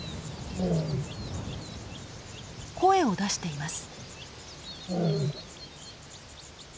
声を出しています。